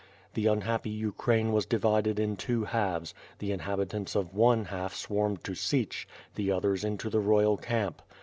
The unhappy Ukraine was divided in two halves, the inhabi tants of one half swarmed to Sich; the others into the royal camp.